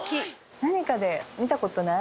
何かで見た事ない？